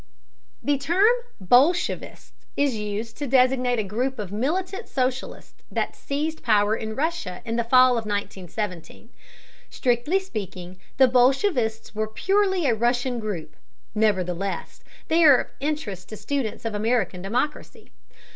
The term "bolshevist" is used to designate a group of militant socialists that seized power in Russia in the fall of 1917. Strictly speaking, the bolshevists were purely a Russian group, nevertheless, they are of interest to students of American democracy.